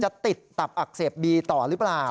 ติดตับอักเสบบีต่อหรือเปล่า